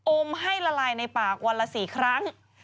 อมให้ละลายในปากวันละ๔ครั้ง